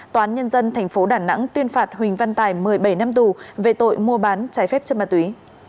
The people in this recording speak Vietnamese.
tòa án nhân dân tp đà nẵng tuyên phạt huỳnh văn tài một mươi bảy năm tù về tội mua bán trái phép chất ma túy